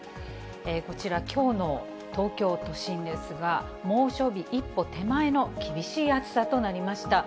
こちら、きょうの東京都心ですが、猛暑日一歩手前の厳しい暑さとなりました。